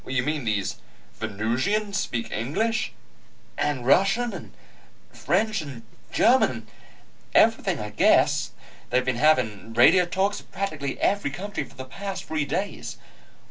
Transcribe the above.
"You mean these Venusians speak English?" "And Russian. And French. And German. And everything I guess. They've been having radio talks with practically every country for the past three days.